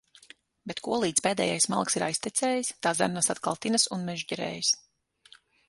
Bet kolīdz pēdējais malks ir aiztecējis, tā zarnas atkal tinas un mežģerējas.